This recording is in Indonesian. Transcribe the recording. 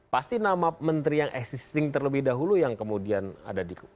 pasti nama menteri yang existing terlebih dahulu yang kemudian ada di